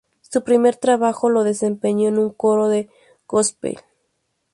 Su primer trabajo lo desempeñó en un coro de Gospel.